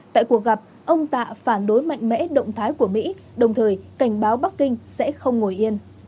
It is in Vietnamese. tại cuộc gặp ông tạ phản đối mạnh mẽ động thái của mỹ đồng thời cảnh báo bắc kinh sẽ không ngồi yên